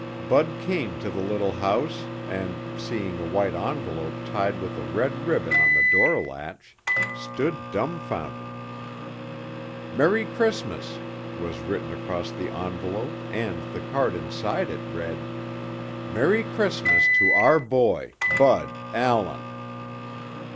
Bud came to the little house and, seeing a white envelope tied with a red ribbon to the door latch, stood dumfounded. "Merry Christmas" was written across the envelope and the card inside it read: _Merry Christmas to our boy, Bud Allan.